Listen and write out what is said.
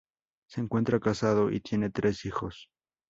Se encuentra casado y tiene tres hijos.